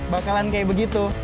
bakalan kayak begitu